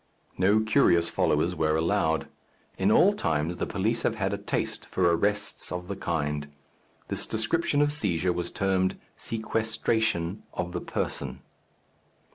No curious followers were allowed. In all times the police have had a taste for arrests of the kind. This description of seizure was termed sequestration of the person.